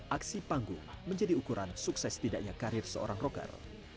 aksi panggung menjadi ukuran sukses tidaknya karir seorang rocker